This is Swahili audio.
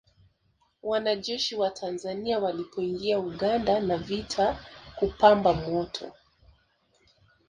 Wanajeshi wa Tanzania walipoingia Uganda na vita kupamba moto